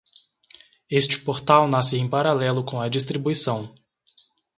Este portal nasce em paralelo com a distribuição.